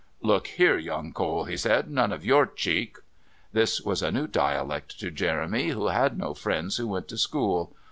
"Look here, young Cole," he said, "none of your cheek." This was a new dialect to Jeremy, who had no friends who went to school.